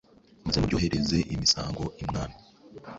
Maze muryohereze imisango.imwami